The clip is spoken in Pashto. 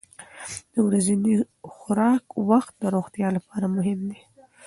د ورځني خوراک وخت د روغتیا لپاره مهم دی.